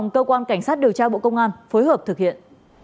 cảnh sát điều tra bộ công an phối hợp thực hiện